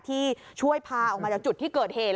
ที่ช่วยพาออกมาจากจุดที่เกิดเหตุ